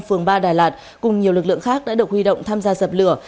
phường ba đà lạt cùng nhiều lực lượng khác đã được huy động tham gia dập lửa